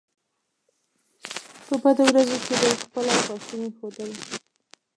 په بدو ورځو کې به یې خپله خواشیني ښودله.